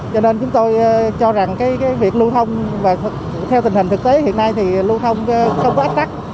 cho nên chúng tôi cho rằng việc lưu thông và theo tình hình thực tế hiện nay thì lưu thông không có ách tắc